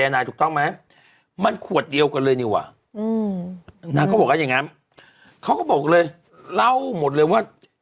นางก็บอกกันอย่างงั้นเขาก็บอกเลยเล่าหมดเลยว่า